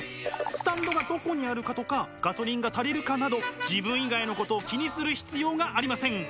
スタンドがどこにあるかとかガソリンが足りるかなど自分以外のことを気にする必要がありません。